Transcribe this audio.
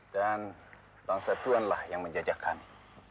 dan bangsa tuhanlah yang menjajah kami